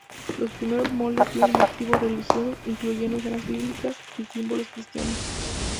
Los primero moldes tienen motivos religiosos, incluyendo escenas bíblicas y símbolos cristianos.